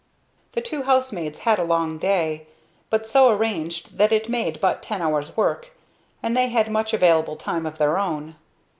The two housemaids had a long day, but so arranged that it made but ten hours work, and they had much available time of their own.